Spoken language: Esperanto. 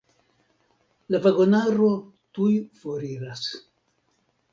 La vagonaro tuj foriras.